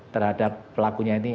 terhadap pelakunya ini